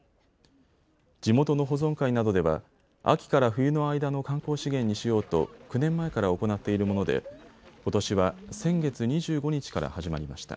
地元の保存会などでは秋から冬の間の観光資源にしようと９年前から行っているものでことしは先月２５日から始まりました。